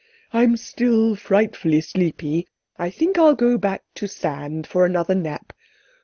I'm still frightfully sleepy, I think I'll go back to sand for another nap.